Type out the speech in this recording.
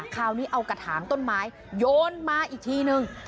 คราวนี้เอากระถางต้นไม้โยนมาอีกทีนึง